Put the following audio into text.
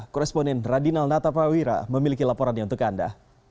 koresponen radinal nataprawira memiliki laporannya untuk anda